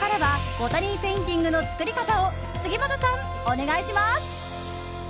それではここからはボタニーペインティングの作り方を杉本さん、お願いします。